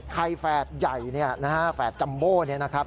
ไข่แฟดใหญ่แฟดจัมโบ้นี่นะครับ